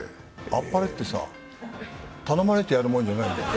あっぱれってさ、頼まれてやるもんじゃないんだよ。